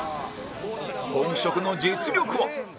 本職の実力は？